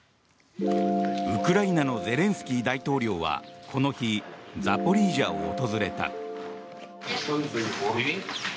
ウクライナのゼレンスキー大統領はこの日ザポリージャを訪れた。